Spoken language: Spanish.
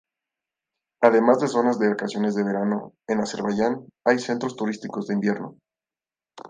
Además de zonas de vacaciones de verano, en Azerbaiyán hay centros turísticos de invierno.